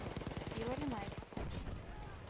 პირველი მაისის თემში.